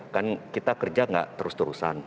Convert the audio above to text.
kan kita kerja nggak terus terusan